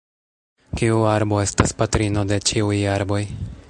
Kiu arbo estas patrino de ĉiuj arboj?